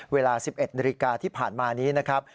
เวลา๑๑นาฬิกาที่ผ่านมานี้นะครับ